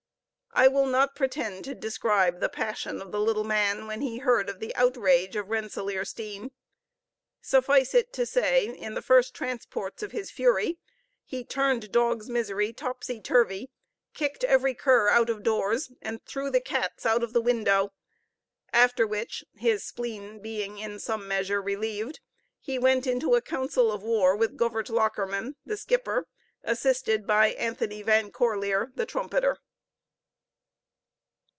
I will not pretend to describe the passion of the little man when he heard of the outrage of Rensellaersteen. Suffice it to say, in the first transports of his fury, he turned Dog's Misery topsy turvy, kicked every cur out of doors, and threw the cats out of the window; after which, his spleen being in some measure relieved, he went into a council of war with Govert Lockerman, the skipper, assisted by Anthony Van Corlear, the trumpeter.